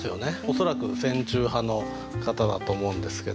恐らく戦中派の方だと思うんですけど。